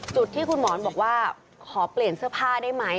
จุดที่คุณหมอนบอกว่าขอเปลี่ยนเสื้อผ้าได้ไหม